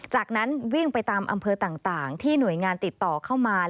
จากนั้นวิ่งไปตามอำเภอต่างที่หน่วยงานติดต่อเข้ามา